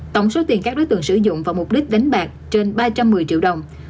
tổng số tiền các đối tượng sử dụng vào mục đích đánh bạc trên ba trăm một mươi triệu đồng